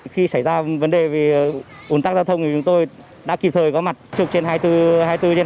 khi xảy ra vấn đề vì ổn tắc giao thông thì chúng tôi đã kịp thời có mặt chụp trên hai mươi bốn trên hai mươi bốn